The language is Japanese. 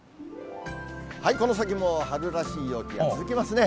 この先も春らしい陽気が続きますね。